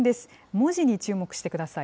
文字に注目してください。